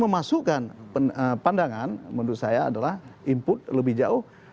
memasukkan pandangan menurut saya adalah input lebih jauh